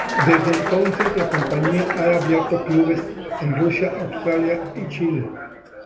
Desde entonces, la compañía ha abierto clubes en Rusia, Australia y Chile.